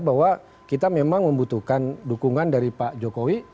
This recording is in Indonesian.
bahwa kita memang membutuhkan dukungan dari pak jokowi